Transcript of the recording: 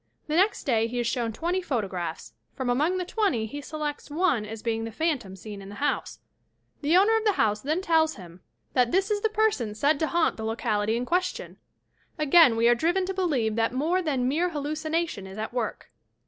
The next day he is shown twenty photographs. From among the twenty he selects one as being the phantom seen in the house. The owner of the house then tells him that thia HAUNTED HOUSES 247 is the person said to haunt the locality in question ! Again we are driven to believe that more than mere hallucination is at work.